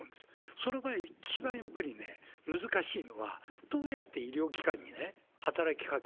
その場合、一番やっぱりね、難しいのは、どうやって医療機関に働きかけ、